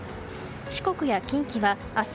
四国や近畿は明日